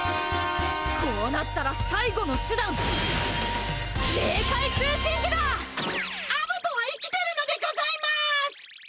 こうなったら最後の手段アブトは生きてるのでございます！